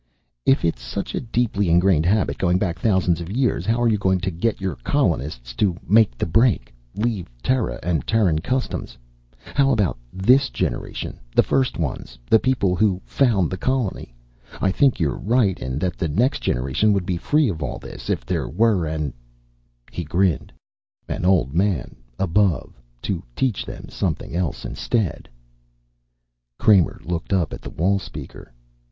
"If it's such a deeply ingrained habit, going back thousands of years, how are you going to get your colonists to make the break, leave Terra and Terran customs? How about this generation, the first ones, the people who found the colony? I think you're right that the next generation would be free of all this, if there were an " He grinned. " An Old Man Above to teach them something else instead." Kramer looked up at the wall speaker.